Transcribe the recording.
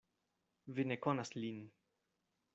Vi ne konas lin.